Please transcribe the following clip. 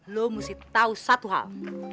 lo mesti tahu satu hal